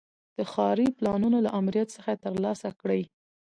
د ښاري پلانونو له آمریت څخه ترلاسه کړي.